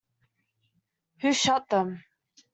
Who shut them?